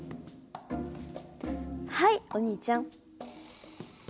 はいお兄ちゃん。